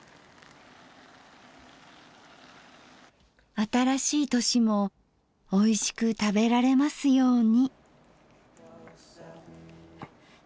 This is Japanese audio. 新しい年もおいしく食べられますように。